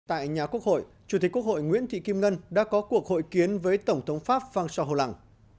tại nhà quốc hội chủ tịch quốc hội nguyễn thị kim ngân đã có cuộc hội kiến với tổng thống pháp phan xô hồ lăng